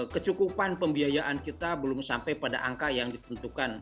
kecukupan pembiayaan kita belum sampai pada angka yang ditentukan